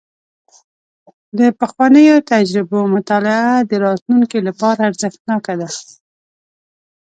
د پخوانیو تجربو مطالعه د راتلونکي لپاره ارزښتناکه ده.